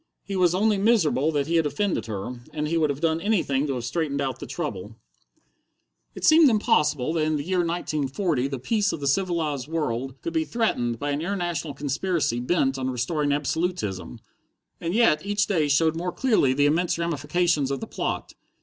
He was only miserable that he had offended her, and he would have done anything to have straightened out the trouble. It seemed impossible that in the year 1940 the peace of the civilized world could be threatened by an international conspiracy bent on restoring absolutism, and yet each day showed more clearly the immense ramifications of the plot.